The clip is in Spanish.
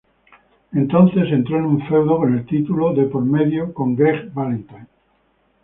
Entonces entró en un feudo con el título de por medio con Greg Valentine.